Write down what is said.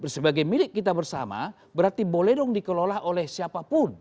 sebagai milik kita bersama berarti boleh dong dikelola oleh siapapun